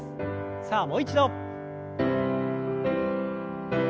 さあもう一度。